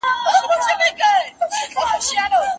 د قسم او عدل اصلي غرض څه دی؟